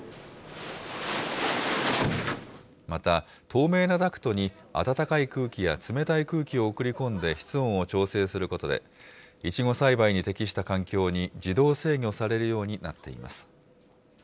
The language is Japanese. また、透明なダクトに暖かい空気や冷たい空気を送り込んで室温を調整することで、イチゴ栽培に適した環境に自動制御されるようになっています。